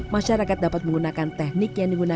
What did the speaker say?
masyarakat dapat menggunakan teknik yang lebih mudah